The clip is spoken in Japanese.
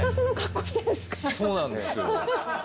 そうなんですよ。